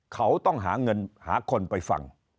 เขาต้องหาเงินหาคนไปฟัง